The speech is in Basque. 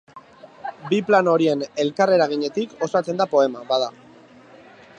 Bi plano horien elkarreraginetik osatzen da poema, bada.